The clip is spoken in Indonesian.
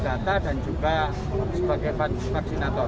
data dan juga sebagai vaksinator